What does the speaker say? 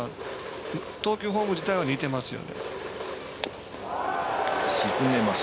投球フォーム自体は似てますよね。